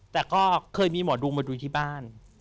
แต่ก็เคยมีหมอดูมาดูที่บ้าน